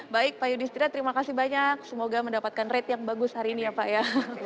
baik pak yudhistira terima kasih banyak semoga mendapatkan rate yang bagus hari ini ya pak ya